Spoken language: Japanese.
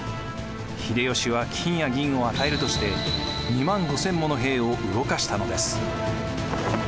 秀吉は金や銀を与えるとして２万５，０００もの兵を動かしたのです。